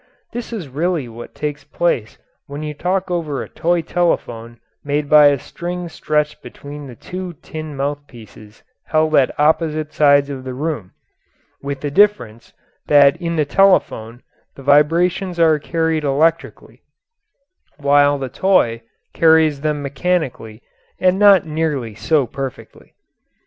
This is really what takes place when you talk over a toy telephone made by a string stretched between the two tin mouth pieces held at opposite sides of the room, with the difference that in the telephone the vibrations are carried electrically, while the toy carries them mechanically and not nearly so perfectly.